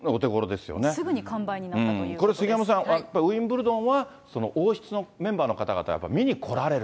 すぐに完売になったというここれ杉山さん、やっぱりウィンブルドンは、王室のメンバーの方々、見に来られる？